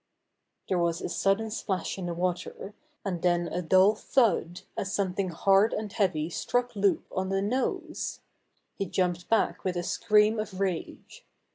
There was a sudden splash in the water, and then a dull thud as something hard and heavy struck Loup on the nose. He jumped back with a scream of rage.